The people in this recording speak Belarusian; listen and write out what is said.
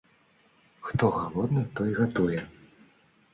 Хто галодны, той гатуе.